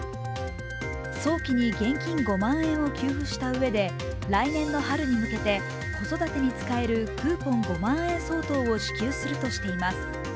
早期に現金５万円を給付したうえで、来年春に向けて子育てに伝えるクーポン５万円相当を支給するとしています。